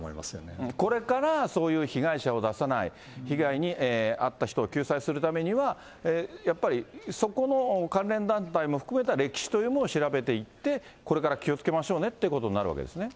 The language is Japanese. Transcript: これから、そういう被害者を出さない、被害に遭った人を救済するためには、やっぱりそこの関連団体も含めた歴史というものを調べていって、これから気をつけましょうねということになるわけですね。